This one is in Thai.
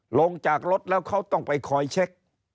ลงจากรถแล้วเขาต้องไปคอยเช็ค